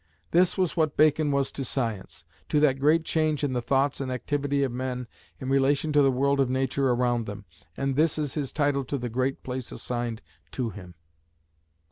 This was what Bacon was to science, to that great change in the thoughts and activity of men in relation to the world of nature around them: and this is his title to the great place assigned to him.